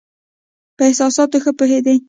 په احساساتو ښه پوهېدی.